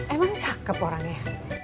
emang cakep orangnya